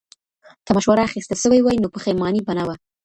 که مشوره اخېستل سوې وای نو پښیماني به نه وه.